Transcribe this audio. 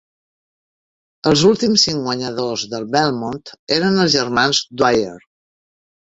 Els últims cinc guanyadors del Belmont eren els germans Dwyer.